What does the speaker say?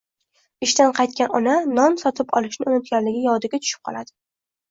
Ishdan qaytgan ona non sotib olishni unutganligi yodiga tushib qoladi